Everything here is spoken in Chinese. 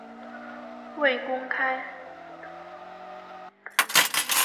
未公开